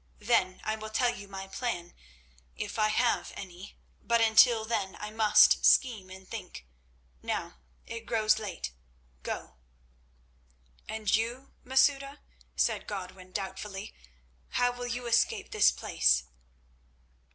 Then I will tell you my plan, if I have any, but until then I must scheme and think. Now it grows late—go." "And you, Masouda," said Godwin, doubtfully; "how will you escape this place?"